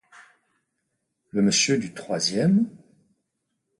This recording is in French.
Le monsieur du troisième?